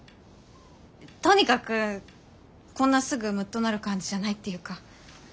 とにかくこんなすぐムッとなる感じじゃないっていうか。